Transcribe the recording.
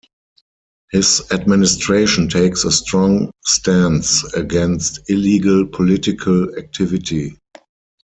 His administration takes a strong stance against illegal political activity.